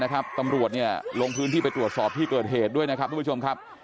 นะครับตำรวจเนี่ยลงพื้นที่ไปตรวจสอบที่เกิดเหตุด้วยนะครับ